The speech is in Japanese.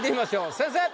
先生！